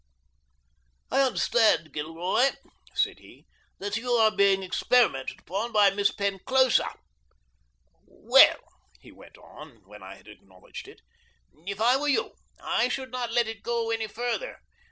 "I understand, Gilroy," said he, "that you are being experimented upon by Miss Penclosa." "Well," he went on, when I had acknowledged it, "if I were you, I should not let it go any further.